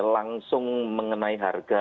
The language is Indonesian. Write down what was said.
langsung mengenai harga